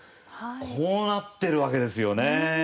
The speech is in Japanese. こうなってるわけですよね。